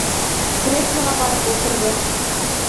Креслоға барып ултырҙы.